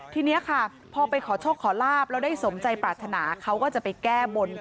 ทีนี้ค่ะพอไปขอโชคขอลาบแล้วได้สมใจปรารถนาเขาก็จะไปแก้บน